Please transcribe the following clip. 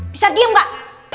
bisa diam gak